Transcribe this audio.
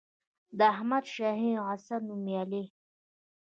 د احمدشاهي عصر نوميالي